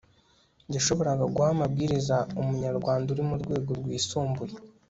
yashoboraga guha amabwiriza umunyarwanda uri mu rwego rwisumbuye